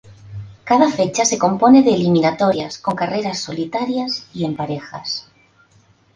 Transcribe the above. Cada fecha se compone de eliminatorias con carreras solitarias y en parejas.